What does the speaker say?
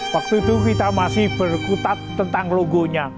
waktu itu kita masih berkutat tentang logonya